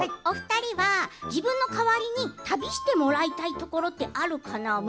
お二人は自分の代わりに旅してもらいたいところってあるかな。